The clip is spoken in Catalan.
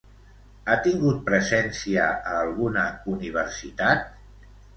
Ha tingut presència a alguna universitat?